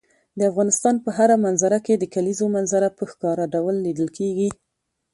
د افغانستان په هره منظره کې د کلیزو منظره په ښکاره ډول لیدل کېږي.